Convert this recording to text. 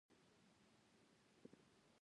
عدالت او انصاف د ټولنې د نظم او ارامۍ ضامن دی.